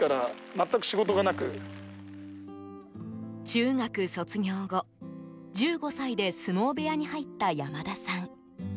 中学卒業後、１５歳で相撲部屋に入った山田さん。